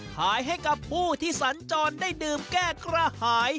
ขายให้กับผู้ที่สัญจรได้ดื่มแก้กระหาย